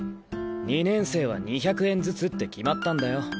２年生は２００円ずつって決まったんだよ。